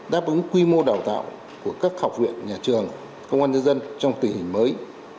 đáp ứng quy mô đào tạo của các học viện nhà trường công an nhân dân trong tình hình mới